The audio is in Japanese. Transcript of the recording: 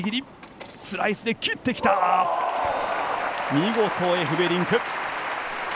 見事、エフベリンク！